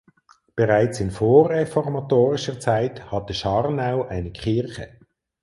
Bereits in vorreformatorischer Zeit hatte Scharnau eine Kirche.